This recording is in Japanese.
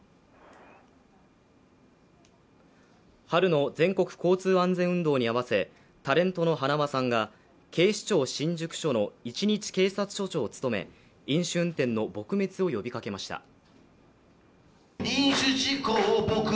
春の全国交通安全運動に合わせ、タレントのはなわさんが警視庁新宿署の一日警察署長を務め、飲酒運転の撲滅を呼びかけました。